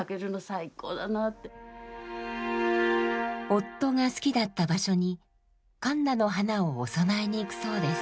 夫が好きだった場所にカンナの花をお供えに行くそうです。